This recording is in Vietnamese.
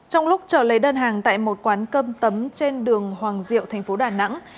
trong lúc trở lấy đơn hàng tại một quán cơm tấm trên đường hoàng diệu tp đà nẵng